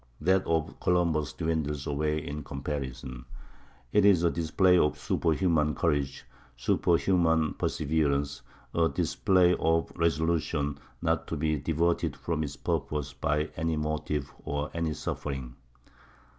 That of Columbus dwindles away in comparison. It is a display of superhuman courage, superhuman perseverance—a display of resolution not to be diverted from its purpose by any motive or any suffering....